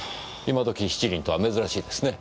今時七輪とは珍しいですね。